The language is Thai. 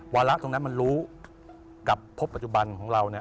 วาระตรงนั้นมันรู้กับพบปัจจุบันของเราเนี่ย